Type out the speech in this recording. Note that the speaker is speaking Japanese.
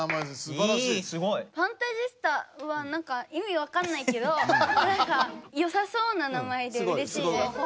ファンタジスタはなんか意味わかんないけどよさそうな名前でうれしいです。